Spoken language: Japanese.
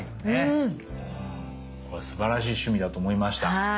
これすばらしい趣味だと思いました。